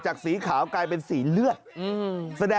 ประเภทประเภทประเภท